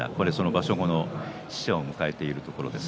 場所後の使者を迎えているところです。